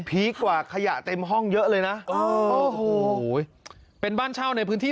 ีคกว่าขยะเต็มห้องเยอะเลยนะอ๋อโอ้โหเป็นบ้านเช่าในพื้นที่